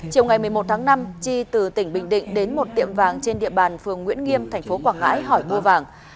chiều ngày một mươi một tháng năm chi từ tỉnh bình định đến một tiệm vàng trên địa bàn phường nguyễn nghiêm thành phố quảng ngãi hỏi bưa vàng